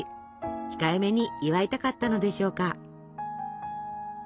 控えめに祝いたかったのでしょうか。